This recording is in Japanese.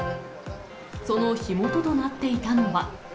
その火元となっていたのは。